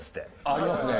ありますね。